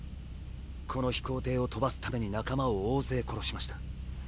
この飛行艇を飛ばすために仲間を大勢殺しました。